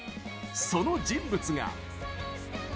その人物が。